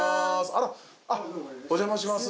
あっお邪魔します。